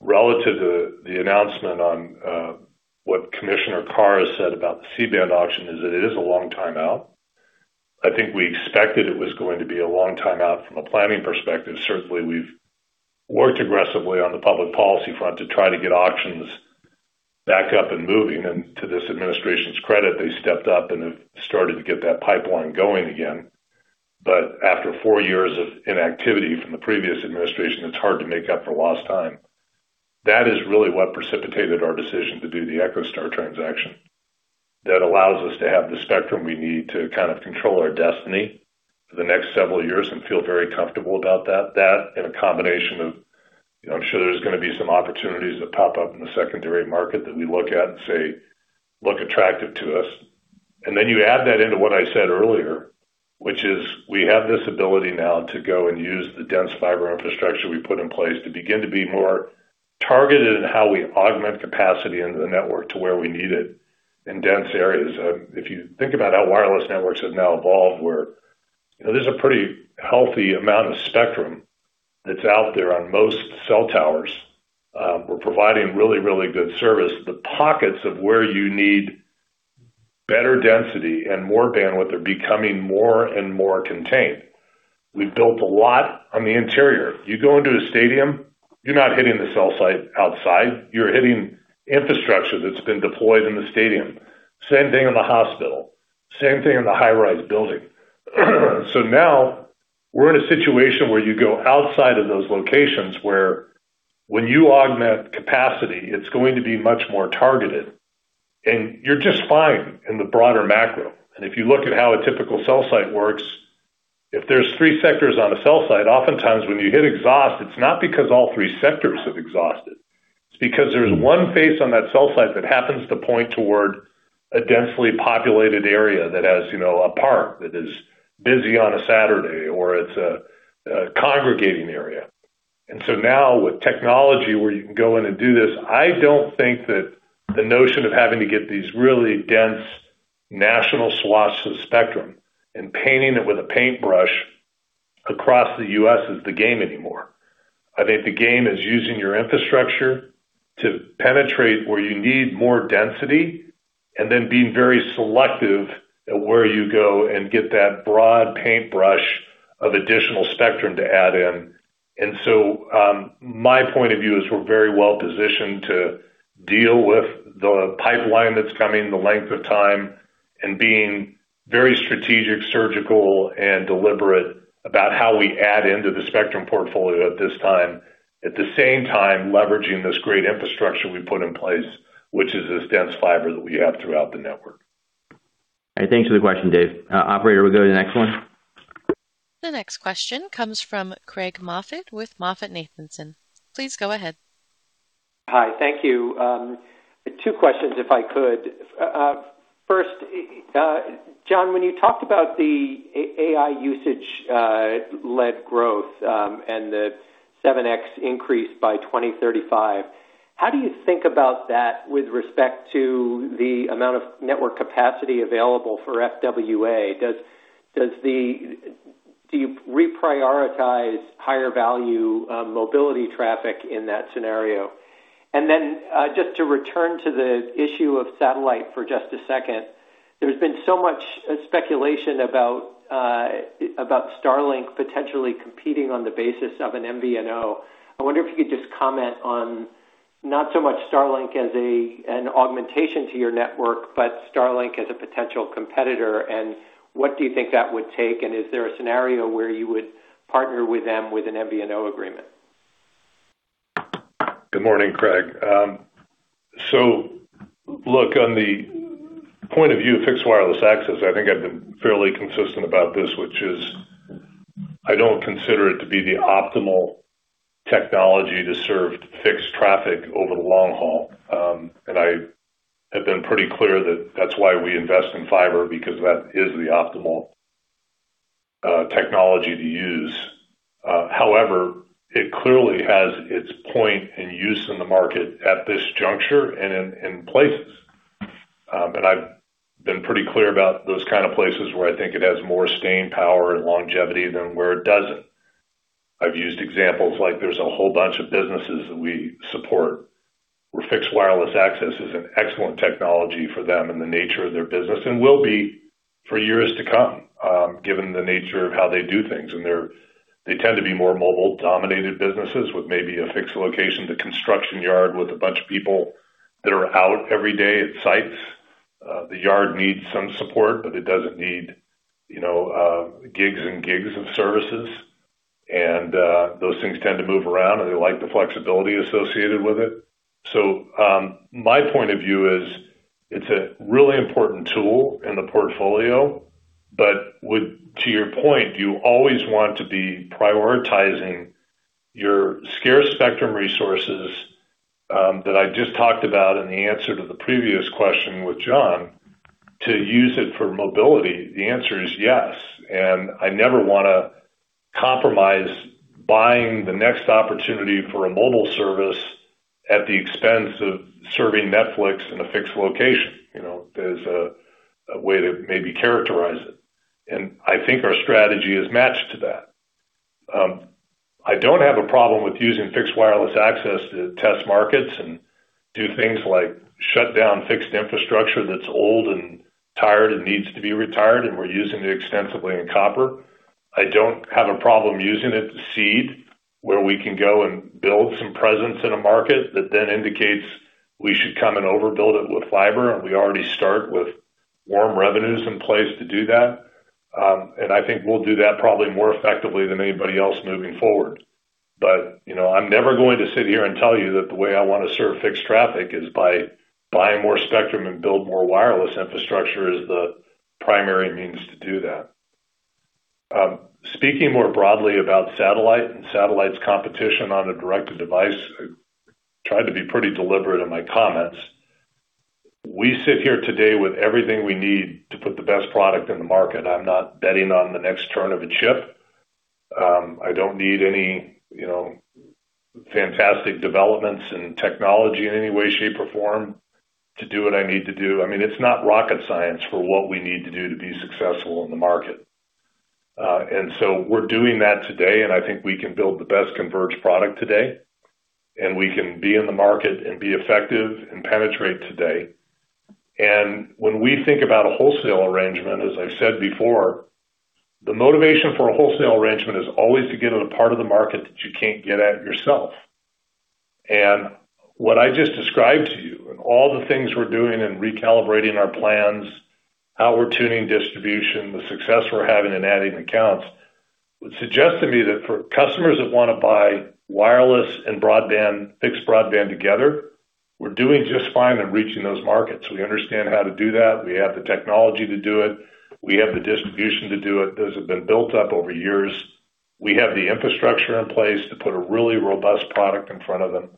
Relative to the announcement on what Commissioner Carr has said about the C-band auction is that it is a long time out. I think we expected it was going to be a long time out from a planning perspective. Certainly, we've worked aggressively on the public policy front to try to get auctions back up and moving. To this administration's credit, they stepped up and have started to get that pipeline going again. After four years of inactivity from the previous administration, it's hard to make up for lost time. That is really what precipitated our decision to do the EchoStar transaction. That allows us to have the spectrum we need to kind of control our destiny for the next several years and feel very comfortable about that. That and a combination of, I'm sure there's going to be some opportunities that pop up in the secondary market that we look at and say look attractive to us. You add that into what I said earlier, which is we have this ability now to go and use the dense fiber infrastructure we put in place to begin to be more targeted in how we augment capacity into the network to where we need it in dense areas. If you think about how wireless networks have now evolved where there's a pretty healthy amount of spectrum that's out there on most cell towers. We're providing really, really good service. The pockets of where you need better density and more bandwidth are becoming more and more contained. We've built a lot on the interior. You go into a stadium, you're not hitting the cell site outside. You're hitting infrastructure that's been deployed in the stadium. Same thing in the hospital, same thing in the high-rise building. We're in a situation where you go outside of those locations where when you augment capacity, it's going to be much more targeted, and you're just fine in the broader macro. If you look at how a typical cell site works, if there's three sectors on a cell site, oftentimes when you hit exhaust, it's not because all three sectors have exhausted. It's because there's one face on that cell site that happens to point toward a densely populated area that has a park that is busy on a Saturday, or it's a congregating area. With technology where you can go in and do this, I don't think that the notion of having to get these really dense national swatches of spectrum and painting it with a paintbrush across the U.S. is the game anymore. I think the game is using your infrastructure to penetrate where you need more density and then being very selective at where you go and get that broad paintbrush of additional spectrum to add in. My point of view is we're very well positioned to deal with the pipeline that's coming, the length of time, and being very strategic, surgical, and deliberate about how we add into the spectrum portfolio at this time. At the same time, leveraging this great infrastructure we put in place, which is this dense fiber that we have throughout the network. All right. Thanks for the question, Dave. Operator, we'll go to the next one. The next question comes from Craig Moffett with MoffettNathanson. Please go ahead. Hi, thank you. Two questions, if I could. First, John, when you talked about the AI usage-led growth and the 7x increase by 2035, how do you think about that with respect to the amount of network capacity available for FWA? Do you reprioritize higher value mobility traffic in that scenario? Just to return to the issue of satellite for just a second, there's been so much speculation about Starlink potentially competing on the basis of an MVNO. I wonder if you could just comment on not so much Starlink as an augmentation to your network, but Starlink as a potential competitor, and what do you think that would take, and is there a scenario where you would partner with them with an MVNO agreement? Good morning, Craig. On the point of view of fixed wireless access, I think I've been fairly consistent about this, which is I don't consider it to be the optimal technology to serve fixed traffic over the long haul. I have been pretty clear that's why we invest in fiber, because that is the optimal technology to use. However, it clearly has its point and use in the market at this juncture and in places. I've been pretty clear about those kind of places where I think it has more staying power and longevity than where it doesn't. I've used examples like there's a whole bunch of businesses that we support where fixed wireless access is an excellent technology for them and the nature of their business and will be for years to come given the nature of how they do things. They tend to be more mobile-dominated businesses with maybe a fixed location, the construction yard with a bunch of people that are out every day at sites. The yard needs some support, but it doesn't need gigs and gigs of services. Those things tend to move around, and they like the flexibility associated with it. My point of view is it's a really important tool in the portfolio, but to your point, you always want to be prioritizing your scarce spectrum resources that I just talked about in the answer to the previous question with John to use it for mobility. The answer is yes, and I never want to compromise buying the next opportunity for a mobile service at the expense of serving Netflix in a fixed location. There's a way to maybe characterize it, and I think our strategy is matched to that. I don't have a problem with using fixed wireless access to test markets and do things like shut down fixed infrastructure that's old and tired and needs to be retired, and we're using it extensively in copper. I don't have a problem using it to seed where we can go and build some presence in a market that then indicates we should come and overbuild it with fiber, and we already start with warm revenues in place to do that. I think we'll do that probably more effectively than anybody else moving forward. I'm never going to sit here and tell you that the way I want to serve fixed traffic is by buying more spectrum and build more wireless infrastructure as the primary means to do that. Speaking more broadly about satellite and satellite's competition on a directed device, I tried to be pretty deliberate in my comments. We sit here today with everything we need to put the best product in the market. I'm not betting on the next turn of a chip. I don't need any fantastic developments in technology in any way, shape, or form to do what I need to do. It's not rocket science for what we need to do to be successful in the market. We're doing that today, and I think we can build the best converged product today, and we can be in the market and be effective and penetrate today. When we think about a wholesale arrangement, as I've said before, the motivation for a wholesale arrangement is always to get at a part of the market that you can't get at yourself. What I just described to you and all the things we're doing in recalibrating our plans, how we're tuning distribution, the success we're having in adding accounts, would suggest to me that for customers that want to buy wireless and broadband, fixed broadband together, we're doing just fine in reaching those markets. We understand how to do that. We have the technology to do it. We have the distribution to do it. Those have been built up over years. We have the infrastructure in place to put a really robust product in front of them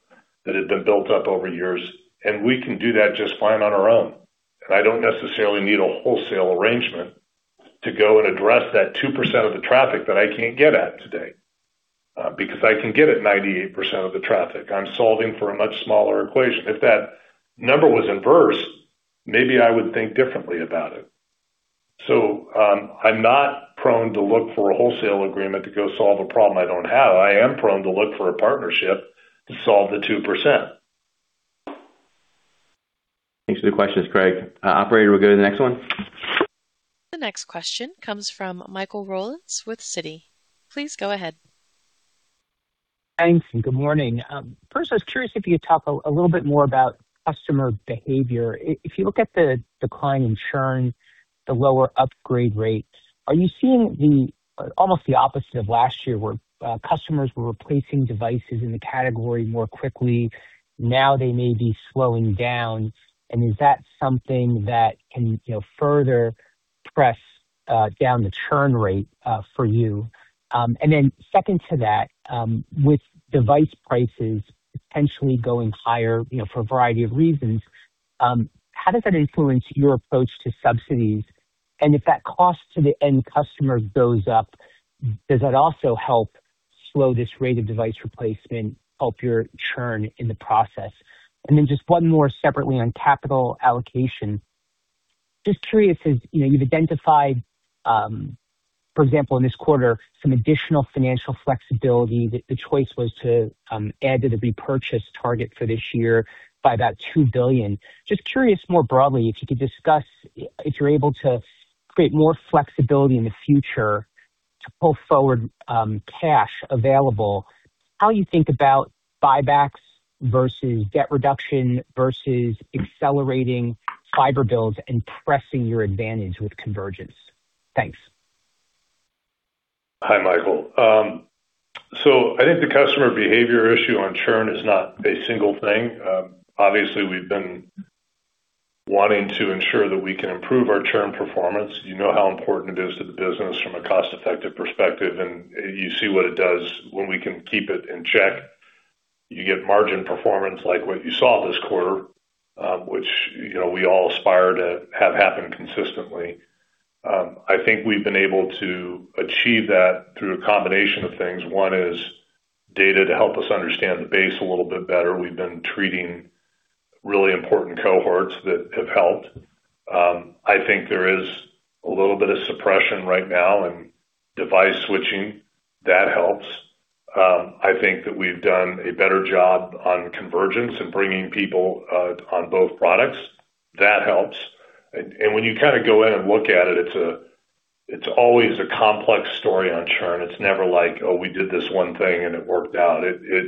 that had been built up over years, and we can do that just fine on our own. I don't necessarily need a wholesale arrangement to go and address that 2% of the traffic that I can't get at today because I can get at 98% of the traffic. I'm solving for a much smaller equation. If that number was inverse, maybe I would think differently about it. I'm not prone to look for a wholesale agreement to go solve a problem I don't have. I am prone to look for a partnership to solve the 2%. Thanks for the questions, Craig. Operator, we'll go to the next one. The next question comes from Michael Rollins with Citi. Please go ahead. Thanks, good morning. First, I was curious if you could talk a little bit more about customer behavior. If you look at the decline in churn, the lower upgrade rates, are you seeing almost the opposite of last year where customers were replacing devices in the category more quickly? Now they may be slowing down, is that something that can further press down the churn rate for you. Second to that, with device prices potentially going higher for a variety of reasons, how does that influence your approach to subsidies? If that cost to the end customer goes up, does that also help slow this rate of device replacement, help your churn in the process? Just one more separately on capital allocation. Just curious, as you've identified, for example, in this quarter, some additional financial flexibility, the choice was to add to the repurchase target for this year by about $2 billion. Just curious more broadly, if you could discuss if you're able to create more flexibility in the future to pull forward cash available, how you think about buybacks versus debt reduction versus accelerating fiber builds and pressing your advantage with convergence. Thanks. Hi, Michael. I think the customer behavior issue on churn is not a single thing. Obviously, we've been wanting to ensure that we can improve our churn performance. You know how important it is to the business from a cost-effective perspective, and you see what it does when we can keep it in check. You get margin performance like what you saw this quarter, which we all aspire to have happen consistently. I think we've been able to achieve that through a combination of things. One is data to help us understand the base a little bit better. We've been treating really important cohorts that have helped. I think there is a little bit of suppression right now in device switching. That helps. I think that we've done a better job on convergence and bringing people on both products. That helps. When you go in and look at it's always a complex story on churn. It's never like, oh, we did this one thing and it worked out. It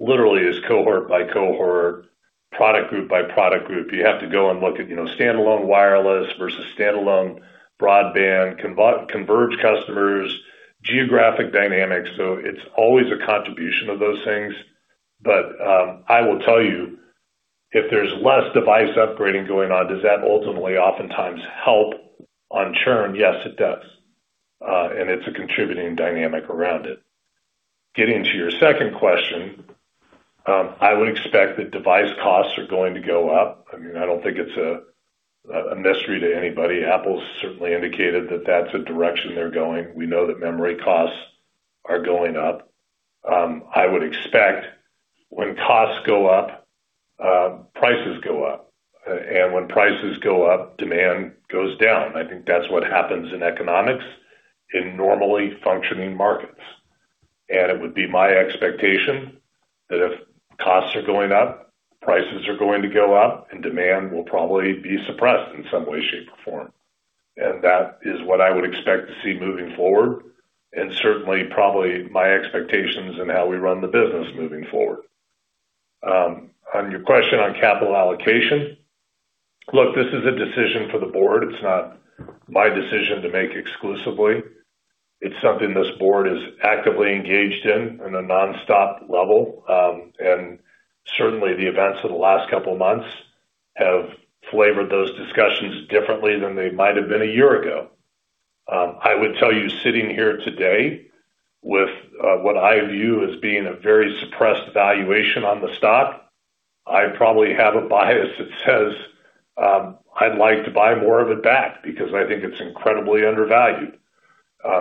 literally is cohort by cohort, product group by product group. You have to go and look at standalone wireless versus standalone broadband, converged customers, geographic dynamics. It's always a contribution of those things. I will tell you, if there's less device upgrading going on, does that ultimately oftentimes help on churn? Yes, it does. It's a contributing dynamic around it. Getting to your second question, I would expect that device costs are going to go up. I don't think it's a mystery to anybody. Apple's certainly indicated that that's a direction they're going. We know that memory costs are going up. I would expect when costs go up, prices go up, when prices go up, demand goes down. I think that's what happens in economics in normally functioning markets. It would be my expectation that if costs are going up, prices are going to go up, demand will probably be suppressed in some way, shape, or form. That is what I would expect to see moving forward, certainly, probably my expectations in how we run the business moving forward. On your question on capital allocation, look, this is a decision for the board. It's not my decision to make exclusively. It's something this board is actively engaged in on a nonstop level. Certainly the events of the last couple of months have flavored those discussions differently than they might have been a year ago. I would tell you sitting here today with what I view as being a very suppressed valuation on the stock, I probably have a bias that says, I'd like to buy more of it back because I think it's incredibly undervalued.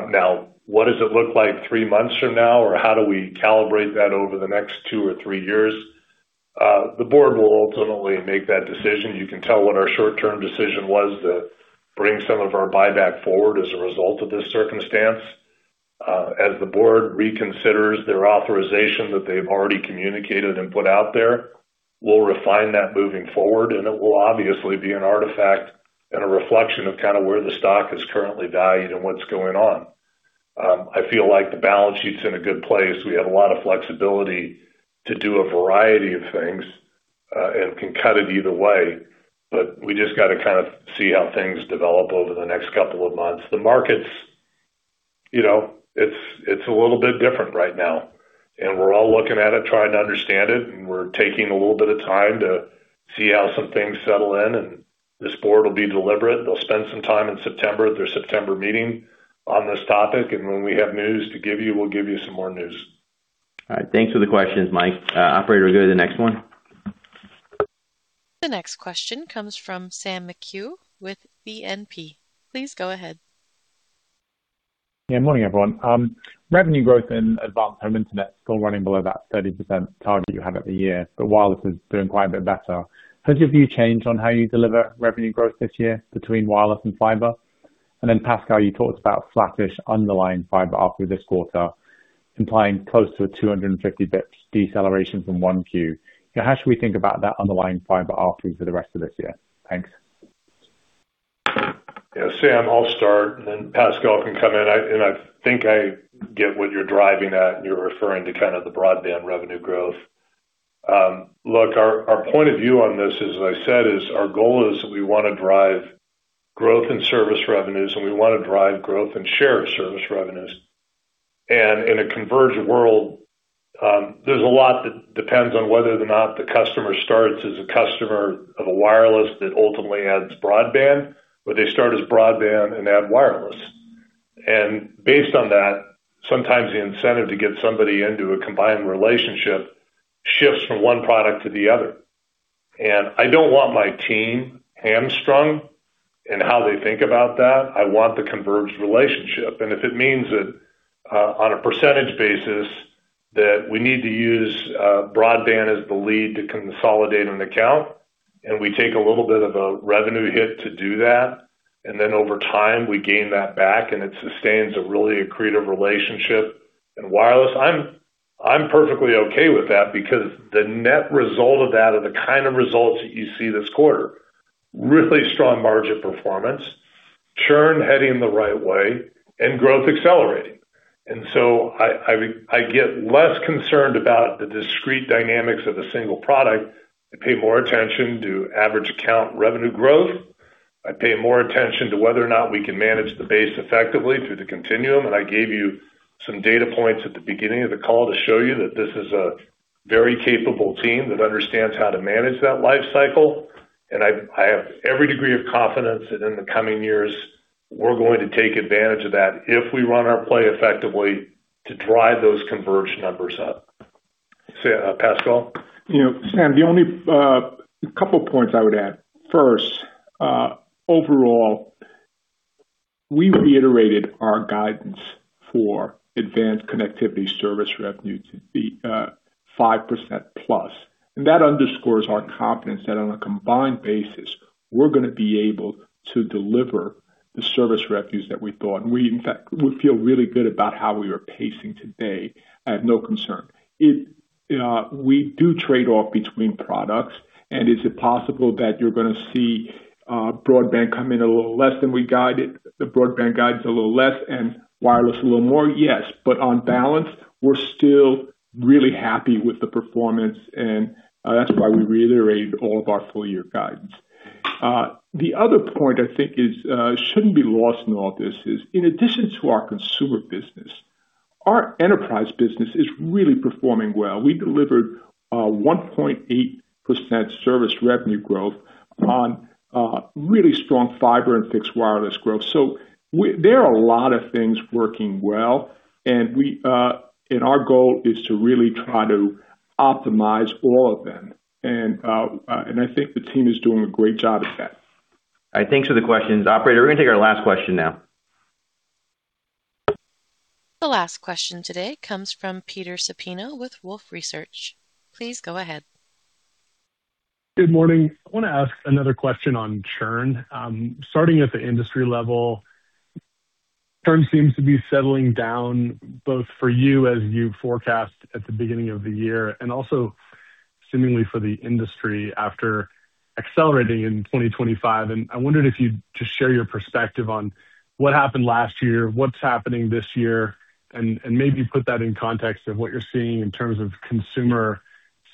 Now, what does it look like three months from now, or how do we calibrate that over the next two or three years? The board will ultimately make that decision. You can tell what our short-term decision was to bring some of our buyback forward as a result of this circumstance. As the board reconsiders their authorization that they've already communicated and put out there, we'll refine that moving forward, and it will obviously be an artifact and a reflection of where the stock is currently valued and what's going on. I feel like the balance sheet's in a good place. We have a lot of flexibility to do a variety of things, and can cut it either way, but we just got to see how things develop over the next couple of months. The market's a little bit different right now, and we're all looking at it, trying to understand it, and we're taking a little bit of time to see how some things settle in, and this board will be deliberate. They'll spend some time in September at their September meeting on this topic, and when we have news to give you, we'll give you some more news. All right. Thanks for the questions, Mike. Operator, go to the next one. The next question comes from Sam McHugh with BNP. Please go ahead. Yeah, morning everyone. Revenue growth in advanced home internet still running below that 30% target you had at the year, but wireless is doing quite a bit better. Has your view changed on how you deliver revenue growth this year between wireless and fiber? Pascal, you talked about flattish underlying Fiber ARPU this quarter, implying close to a 250 basis points deceleration from 1Q. How should we think about that underlying Fiber ARPU for the rest of this year? Thanks. Yeah, Sam, I'll start and then Pascal can come in. I think I get what you're driving at, and you're referring to the broadband revenue growth. Look, our point of view on this, as I said, is our goal is we want to drive growth in service revenues, and we want to drive growth in shared service revenues. In a converged world, there's a lot that depends on whether or not the customer starts as a customer of a wireless that ultimately adds broadband, or they start as broadband and add wireless. Based on that, sometimes the incentive to get somebody into a combined relationship shifts from one product to the other. I don't want my team hamstrung in how they think about that. I want the converged relationship. If it means that, on a percentage basis, that we need to use broadband as the lead to consolidate an account, and we take a little bit of a revenue hit to do that, and then over time, we gain that back and it sustains a really accretive relationship in wireless. I'm perfectly okay with that because the net result of that are the kind of results that you see this quarter. Really strong margin performance, churn heading the right way, and growth accelerating. So I get less concerned about the discrete dynamics of a single product. I pay more attention to average account revenue growth. I pay more attention to whether or not we can manage the base effectively through the continuum. I gave you some data points at the beginning of the call to show you that this is a very capable team that understands how to manage that life cycle. I have every degree of confidence that in the coming years, we're going to take advantage of that if we run our play effectively to drive those converged numbers up. Say, Pascal? You know, Sam, the only couple of points I would add. First, overall, we reiterated our guidance for Advanced Connectivity service revenue to be 5%+. That underscores our confidence that on a combined basis, we're going to be able to deliver the service revenues that we thought. We, in fact, feel really good about how we are pacing today. I have no concern. We do trade off between products, and is it possible that you're going to see broadband come in a little less than we guided, the broadband guides a little less, and wireless a little more? Yes. On balance, we're still really happy with the performance, and that's why we reiterated all of our full-year guidance. The other point I think shouldn't be lost in all this is, in addition to our consumer business, our enterprise business is really performing well. We delivered 1.8% service revenue growth on really strong fiber and fixed wireless growth. There are a lot of things working well, our goal is to really try to optimize all of them. I think the team is doing a great job at that. All right. Thanks for the questions. Operator, we're going to take our last question now. The last question today comes from Peter Supino with Wolfe Research. Please go ahead. Good morning. I want to ask another question on churn. Starting at the industry level, churn seems to be settling down both for you as you forecast at the beginning of the year, and also seemingly for the industry after accelerating in 2025. I wondered if you'd just share your perspective on what happened last year, what's happening this year, and maybe put that in context of what you're seeing in terms of consumer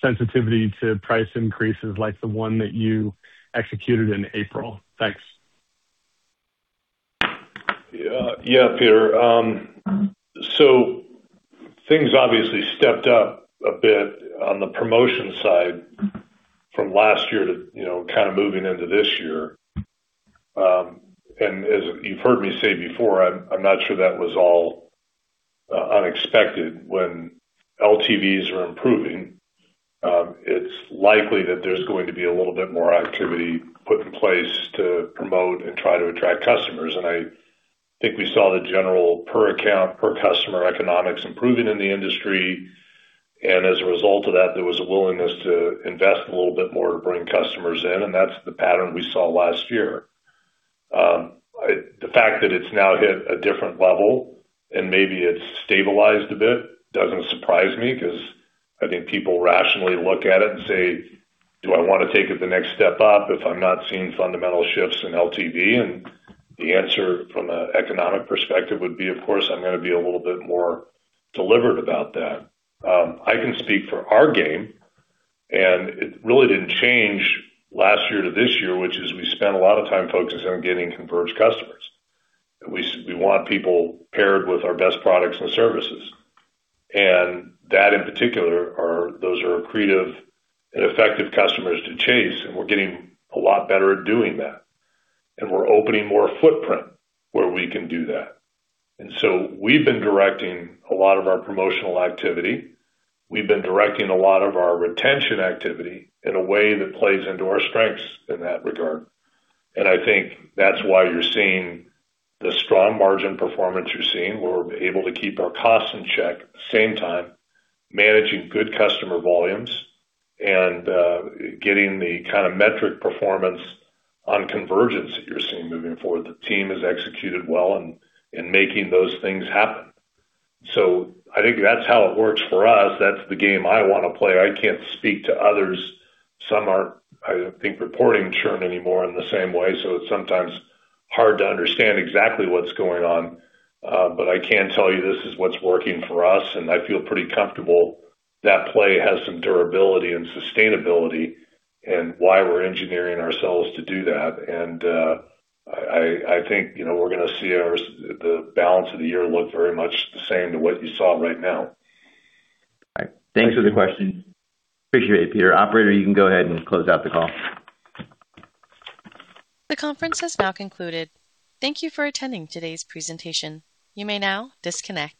sensitivity to price increases like the one that you executed in April. Thanks. Yeah, Peter. Things obviously stepped up a bit on the promotion side from last year to moving into this year. As you've heard me say before, I'm not sure that was all unexpected. When LTVs are improving, it's likely that there's going to be a little bit more activity put in place to promote and try to attract customers. I think we saw the general per account, per customer economics improving in the industry. As a result of that, there was a willingness to invest a little bit more to bring customers in, and that's the pattern we saw last year. The fact that it's now hit a different level and maybe it's stabilized a bit doesn't surprise me because I think people rationally look at it and say, "Do I want to take it the next step up if I'm not seeing fundamental shifts in LTV?" The answer from an economic perspective would be, of course, I'm going to be a little bit more deliberate about that. I can speak for our game, it really didn't change last year to this year, which is we spent a lot of time focusing on getting converged customers. We want people paired with our best products and services. That, in particular, those are accretive and effective customers to chase, and we're getting a lot better at doing that. We're opening more footprint where we can do that. We've been directing a lot of our promotional activity. We've been directing a lot of our retention activity in a way that plays into our strengths in that regard. I think that's why you're seeing the strong margin performance you're seeing. We're able to keep our costs in check, same time, managing good customer volumes and getting the kind of metric performance on convergence that you're seeing moving forward. The team has executed well in making those things happen. I think that's how it works for us. That's the game I want to play. I can't speak to others. Some aren't, I think, reporting churn anymore in the same way, so it's sometimes hard to understand exactly what's going on. I can tell you this is what's working for us, and I feel pretty comfortable that play has some durability and sustainability and why we're engineering ourselves to do that. I think we're going to see the balance of the year look very much the same to what you saw right now. All right. Thanks for the question. Appreciate it, Peter. Operator, you can go ahead and close out the call. The conference has now concluded. Thank you for attending today's presentation. You may now disconnect.